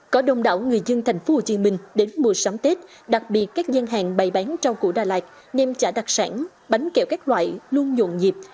có đông đảo người dân tp hcm đến mùa sáng tết đặc biệt các gian hàng bày bán trâu củ đà lạt nêm chả đặc sản bánh kẹo các loại luôn nhuộn dịp